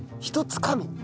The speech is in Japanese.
ひとつかみ。